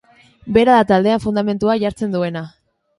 Bera da taldean fundamentua jartzen duena.